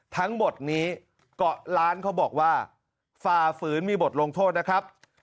ทั้งหมดนี้เกาะล้านเขาบอกว่าฝ่าฝืนมีบทลงโทษนะครับ